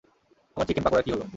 আমার চিকেন পাকোড়ার কী হলো?